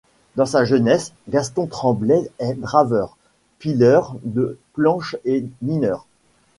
Dans sa jeunesse, Gaston Tremblay est draveur, pileur de planches et mineur.